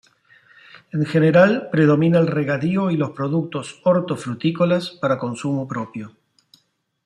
En general predomina el regadío y los productos hortofrutícolas para consumo propio.